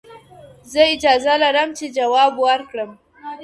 زه اجازه لرم چي جواب ورکړم!